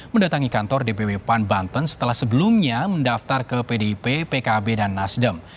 mendatangi kantor dpw pan banten setelah sebelumnya mendaftar ke pdip pkb dan nasdem